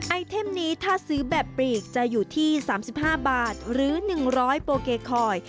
ไอเทมนี้ถ้าซื้อแบบปลีกจะอยู่ที่๓๕บาทหรือ๑๐๐โปเกย์คอย